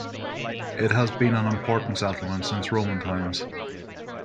It has been an important settlement since Roman times.